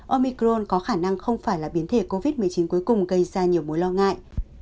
omicron có khả năng không phải là biến thể covid một mươi chín cuối cùng gây ra nhiều mối lo ngại